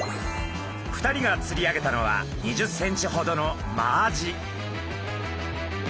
２人がつり上げたのは２０センチほどのマアジ。